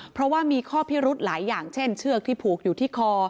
เพราะว่ามีข้อพิรุธหลายอย่างเช่นเชือกที่ผูกอยู่ที่คอ